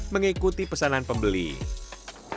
mengikuti pesanan pembelajar